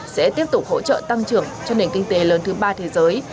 sẽ tiếp tục hỗ trợ tăng trưởng cho nền kinh tế lớn thứ ba thế giới